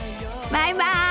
バイバイ。